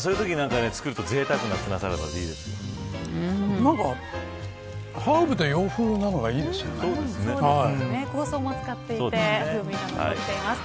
そのときなんかに作るとぜいたくなツナサラダハーブで洋風なのが香草も使っていて風味が残っています。